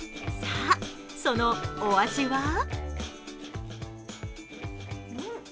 さあ、そのお味は？